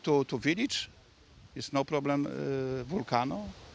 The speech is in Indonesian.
tidak ada masalah vulkan